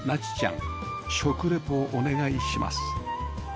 食リポお願いします